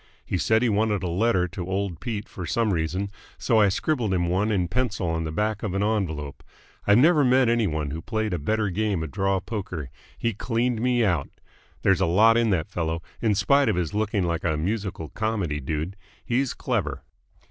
He said he wanted a letter to old Pete for some reason, so I scribbled him one in pencil on the back of an envelope. I've never met any one who played a better game of draw poker. He cleaned me out. There's a lot in that fellow, in spite of his looking like a musical comedy dude. He's clever."